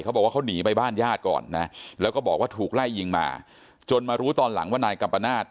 เขาบอกว่าเขาหนีไปบ้านญาติก่อนนะแล้วก็บอกว่าถูกไล่ยิงมาจนมารู้ตอนหลังว่านายกัมปนาศ